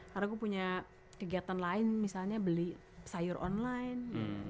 karena gue punya kegiatan lain misalnya beli sayur online